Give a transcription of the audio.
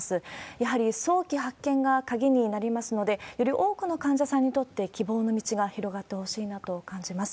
やはり早期発見が鍵になりますので、より多くの患者さんにとって、希望の道が広がってほしいなと感じます。